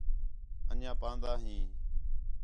اَن٘ڄیاں پاندا ہیں